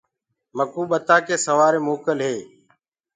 مڪوُ ڀتآن ڪي سوري موڪل هي۔